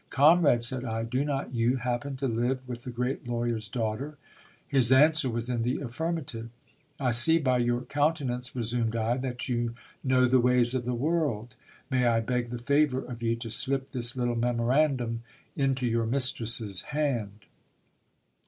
Comrade, said I, do not you happen to live with the great lawyer's daughter ? His answer was in the affirmative. I see by your countenance, resumed I, that you know the ways of the world. May I beg the favour of you to slip this little memorandum into your mistress's hand